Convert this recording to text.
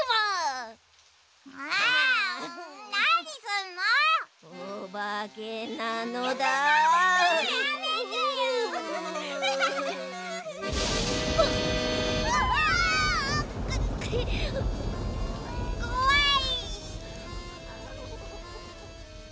あ！こわい。